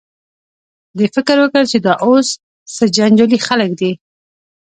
دې فکر وکړ چې دا اوس څه جنجالي خلک دي.